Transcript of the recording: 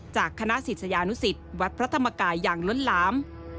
จากคณะศิษยานุสิตวัดพระธรรมกายอย่างล้นหลาม